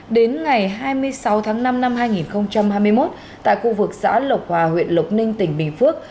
đến ngày hai mươi sáu tháng năm năm hai nghìn hai mươi một tại khu vực xã lộc hòa huyện lộc ninh tỉnh bình phước